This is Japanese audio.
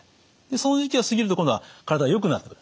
その時期が過ぎると今度は体がよくなってくる。